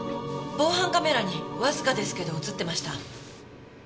防犯カメラにわずかですけど映ってました。